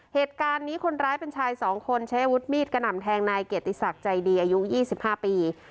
เหตุการณ์นี้คนร้ายเป็นชาย๒คนใช้อาวุธมีดกระหน่ำแทงนายเกียรติศักดิ์ใจดีอายุ๒๕ปี